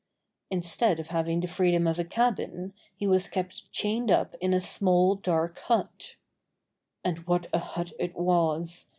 Instead of having the freedom of a cabin, he was kept chained up in a small, dark hut. And what a hut it was!